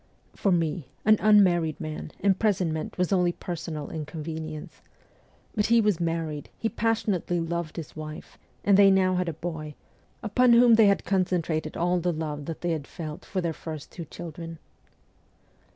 For me, an unmarried man, imprisonment was only personal inconvenience; but he was married, he passionately loved his wife, and they now had a boy, upon whom they had concentrated all the love that they had felt for their first two children.